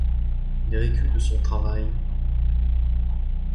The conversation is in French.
Il avait vécu de son travail.